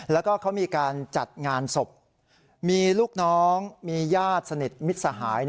แล้วก็เขามีการจัดงานศพมีลูกน้องมีญาติสนิทมิตรสหาย